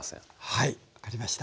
はい分かりました。